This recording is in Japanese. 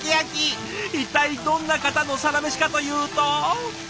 一体どんな方のサラメシかというと。